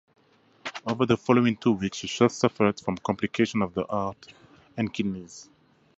Over the following two weeks she suffered from complications of the heart and kidneys.